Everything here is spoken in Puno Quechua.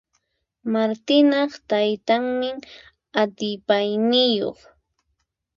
Martinaq taytanmi atipayniyuq.